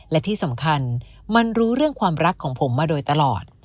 และที่สำคัญมันรู้เรื่องความรักของผมมาโดยตลอด